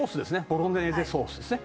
ボロネーゼソースですね。